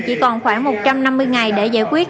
chỉ còn khoảng một trăm năm mươi ngày để giải quyết